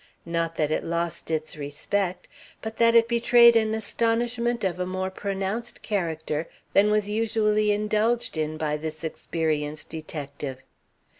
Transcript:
Not that it lost its respect, but that it betrayed an astonishment of a more pronounced character than was usually indulged in by this experienced detective.